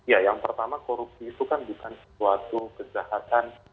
ya yang pertama korupsi itu kan bukan suatu kejahatan